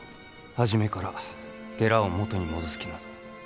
初めから寺を元に戻す気など。